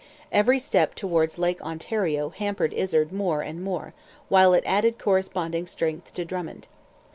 Every step towards Lake Ontario hampered Izard more and more, while it added corresponding strength to Drummond.